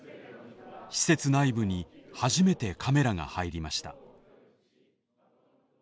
施設内部に初めてカメラが入りました。